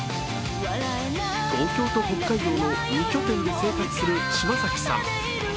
東京と北海道の２拠点で生活する柴咲さん。